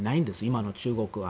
今の中国は。